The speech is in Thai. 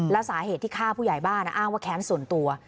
แล้วสาเหตุที่ฆ่าผู้ใหญ่บ้านอ้างว่าแค้นส่วนตัว